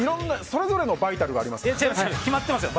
それぞれのバイタルがありますからね。